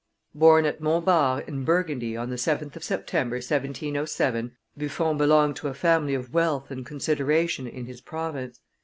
Born at Montbard in Burgundy on the 7th of September, 1707, Buffon belonged to a family of wealth and consideration in his province.